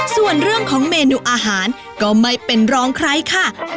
ส่วนเรื่องของเมนูอาหารก็ไม่เป็นรองใครค่ะ